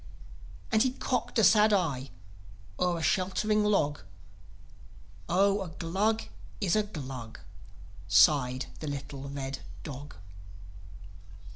As he cocked a sad eye o'er a sheltering log, "Oh, a Glug is a Glug!" sighed the little red dog.